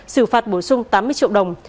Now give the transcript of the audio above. sử phạt bổ sung tám mươi triệu đồng